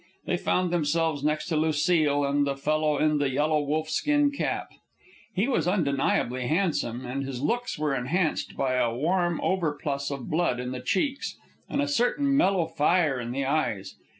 They found themselves next to Lucile and the fellow in the yellow wolf skin cap. He was undeniably handsome, and his looks were enhanced by a warm overplus of blood in the cheeks and a certain mellow fire in the eyes.